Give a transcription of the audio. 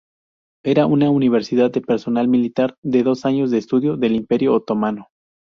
Era una universidad de personal militar de dos años de estudio del Imperio Otomano.